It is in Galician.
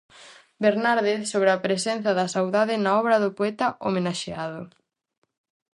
Bernárdez sobre a presenza da saudade na obra do poeta homenaxeado.